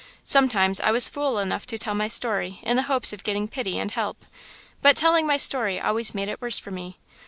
Sometimes I was fool enough to tell my story in the hopes of getting pity and help–but telling my story always made it worse for me!